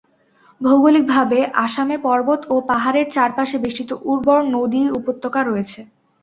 ভৌগোলিকভাবে আসামে পর্বত ও পাহাড়ের চারপাশে বেষ্টিত উর্বর নদী-উপত্যকা রয়েছে।